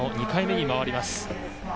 ２回目に回ります。